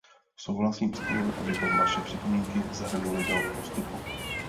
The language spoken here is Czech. Souhlasím s tím, abychom vaše připomínky zahrnuli do postupu.